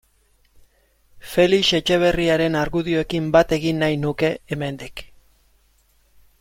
Felix Etxeberriaren argudioekin bat egin nahi nuke hemendik.